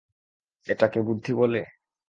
এটাকে বুদ্ধি বলে?